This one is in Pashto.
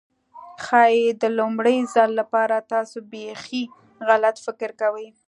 ښايي د لومړي ځل لپاره تاسو بيخي غلط فکر کوئ.